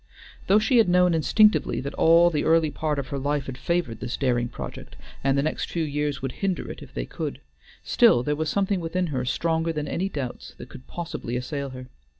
Though she had known instinctively that all the early part of her life had favored this daring project, and the next few years would hinder it if they could, still there was something within her stronger than any doubts that could possibly assail her.